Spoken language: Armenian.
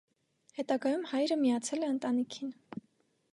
Հետագայում հայրը միացել է ընտանիքին։